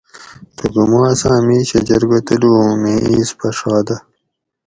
تھوکو مو اساں میشہ جرگہ تلو ھوں میں اِیس پھڛادہ